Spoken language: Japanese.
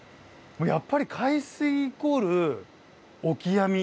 やっぱり海水イコールオキアミ。